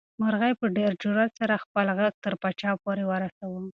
مرغۍ په ډېر جرئت سره خپل غږ تر پاچا پورې ورساوه.